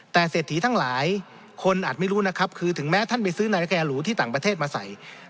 แต่เศรษฐีทั้งหลายคนอาจไม่รู้นะครับคือถึงแม้ท่านไปซื้อนาฬิกาหรูที่ต่างประเทศมาใส่